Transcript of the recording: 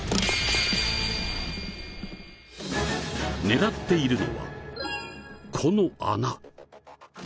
狙っているのはこの穴。